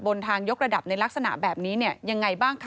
ทางยกระดับในลักษณะแบบนี้เนี่ยยังไงบ้างคะ